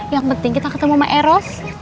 yang penting kita ketemu sama eros